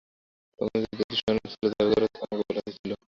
তোমাদের যদি উদ্দেশ্য অন্যরূপ ছিল, তবে গোড়া থেকে আমাকে তা বলা উচিত ছিল।